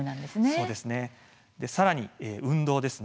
さらに運動です。